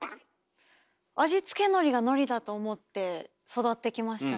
味付けのりがのりだと思って育ってきましたね。